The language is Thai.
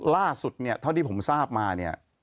ล่าสุดเนี่ยเท่าที่ผมทราบมาเนี่ย